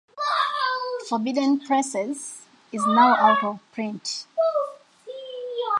"Forbidden Places" is now out of print.